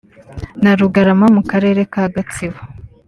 na Rugarama mu karere ka Gatsibo